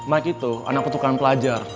mike itu anak pertukaran pelajar